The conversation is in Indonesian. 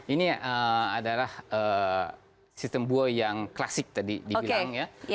ini adalah sistem buoy yang klasik tadi dibilang ya